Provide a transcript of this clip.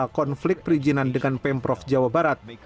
konflik perizinan dengan pemprov jawa barat